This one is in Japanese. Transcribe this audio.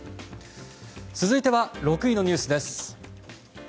続いては６位のニュースです。